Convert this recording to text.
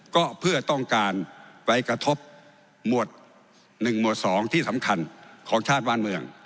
ก็เพื่อต้องการไปกระทบหมวด๑หมวด๒ที่สำคัญของชาติบ้านเมือง